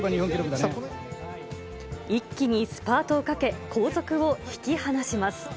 一気にスパートをかけ、後続を引き離します。